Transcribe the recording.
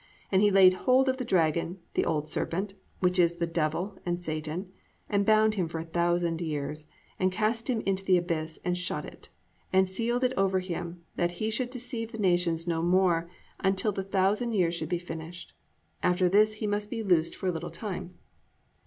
And he laid hold of the dragon, the old serpent, which is the devil and Satan, and bound him for a thousand years, and cast him into the abyss, and shut it, and sealed it over him, that he should deceive the nations no more, until the thousand years should be finished: After this he must be loosed for a little time."